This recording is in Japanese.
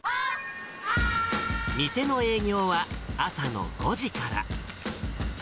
店の営業は朝の５時から。